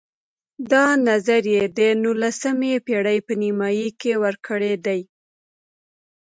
دا نظر یې د نولسمې پېړۍ په نیمایي کې ورکړی دی.